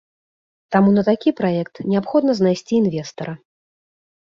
Таму на такі праект неабходна знайсці інвестара.